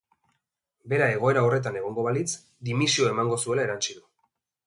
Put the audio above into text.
Bera egoera horretan egongo balitz, dimisioa emango zuela erantsi du.